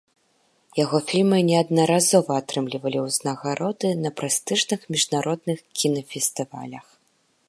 Яго фільмы неаднаразова атрымлівалі ўзнагароды на прэстыжных міжнародных кінафестывалях.